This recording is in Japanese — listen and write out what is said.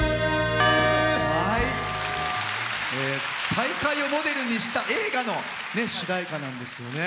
大会をモデルにした映画の主題歌なんですよね。